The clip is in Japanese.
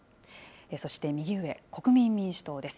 そして右上、国民民主党です。